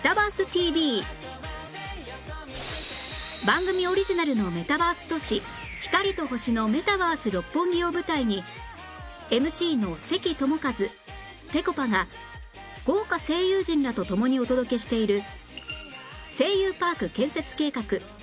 番組オリジナルのメタバース都市光と星のメタバース六本木を舞台に ＭＣ の関智一ぺこぱが豪華声優陣らと共にお届けしている